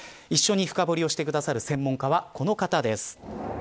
一緒に深堀りをしてくれる専門家はこの方です。